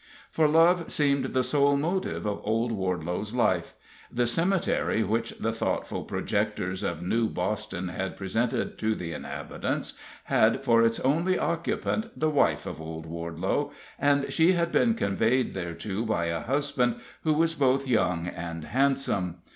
For love seemed the sole motive of old Wardelow's life. The cemetery which the thoughtful projectors of New Boston had presented to the inhabitants had for its only occupant the wife of old Wardelow; and she had been conveyed thereto by a husband who was both young and handsome.